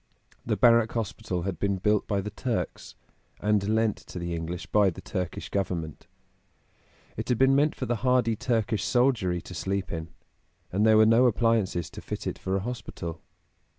The Barrack Hospital had been built by the Turks, and lent to the English by the Turkish Government; it had been meant for the hardy Turkish soldiery to sleep in, and there were no appliances to fit it for a hospital.